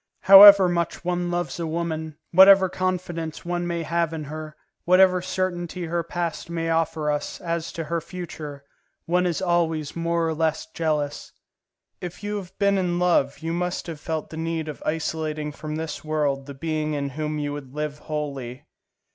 However much one loves a woman, whatever confidence one may have in her, whatever certainty her past may offer us as to her future, one is always more or less jealous. If you have been in love, you must have felt the need of isolating from this world the being in whom you would live wholly.